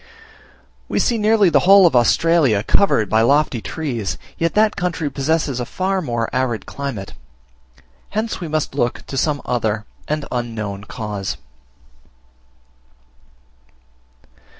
We see nearly the whole of Australia covered by lofty trees, yet that country possesses a far more arid climate. Hence we must look to some other and unknown cause.